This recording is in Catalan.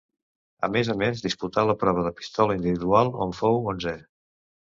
A més a més disputà la prova de pistola individual, on fou onzè.